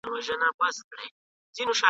چي په ښکار به د مرغانو وو وتلی ..